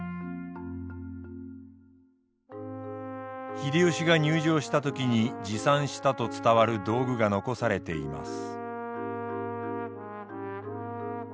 秀吉が入城した時に持参したと伝わる道具が残されています。